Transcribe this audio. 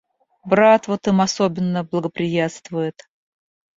Брат вот им особенно благоприятствует.